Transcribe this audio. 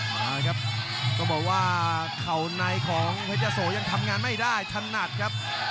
มาครับต้องบอกว่าเข่าในของเพชรยะโสยังทำงานไม่ได้ถนัดครับ